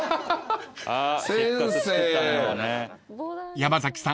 ［山崎さん